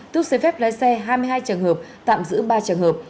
tước giấy phép lái xe hai mươi hai trường hợp tạm giữ ba trường hợp